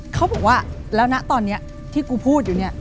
เขาบอกว่าแล้วนะตอนนี้ที่กูพูดอยู่เนี่ย